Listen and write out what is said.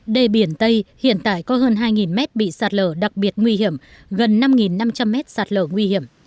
đề biển tây hiện tại có hơn hai mét bị sạt lở đặc biệt nguy hiểm gần năm năm trăm linh mét sạt lở nguy hiểm